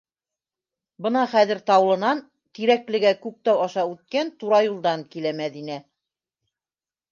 Бына хәҙер Таулынан Тирәклегә Күктау аша үткән тура юлдан килә Мәҙинә.